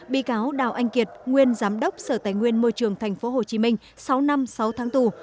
bị cáo đào anh kiệt nguyên giám đốc sở tài nguyên môi trường tp hcm sáu năm sáu tháng tù